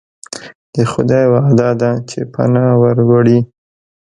د خدای وعده ده چې پناه وروړي.